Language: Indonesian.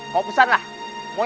kau pesan lah